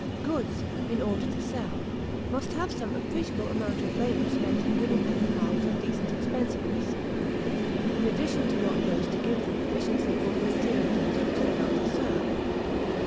Goods, in order to sell, must have some appreciable amount of labor spent in giving them the marks of decent expensiveness, in addition to what goes to give them efficiency for the material use which they are to serve.